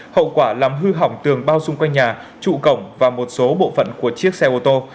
hậu quả làm hư hỏng tường bao xung quanh nhà trụ cổng và một số bộ phận của chiếc xe ô tô